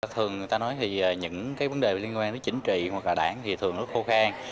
thường người ta nói thì những cái vấn đề liên quan đến chính trị hoặc là đảng thì thường nó khô khan